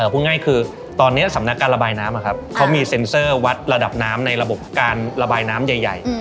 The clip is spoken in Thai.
พูดง่ายคือตอนนี้สำนักการระบายน้ำเขามีเซ็นเซอร์วัดระดับน้ำในระบบการระบายน้ำใหญ่